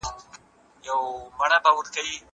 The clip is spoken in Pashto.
زه به د لوبو لپاره وخت نيولی وي؟!